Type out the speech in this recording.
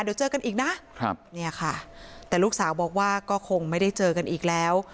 เดี๋ยวเจอกันอีกนะครับเนี่ยค่ะแต่ลูกสาวบอกว่าก็คงไม่ได้เจอกันอีกแล้ว